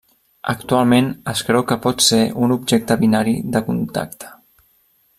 Actualment es creu que pot ser un objecte binari de contacte.